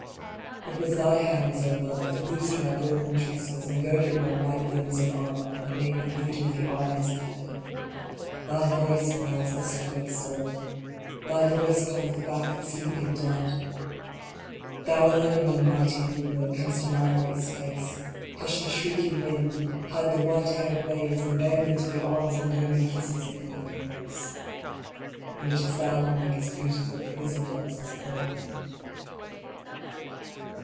It was thy hands, O Love, that loosed my golden tresses, and girded my white limbs in armor, and made me leader of the armies of Heaven. Thy voice aroused the sluggard soul. Thy voice calleth back the sleeping dead. Thou alone, O Mighty Ruler, canst annihilate space, hush the shrieking wind, hide the white haired waves, BATTLE OF THE STARS. 43 and bear me to the arms and burning kisses of my Eros. And it is thou who makest beautiful the prison houses of earth.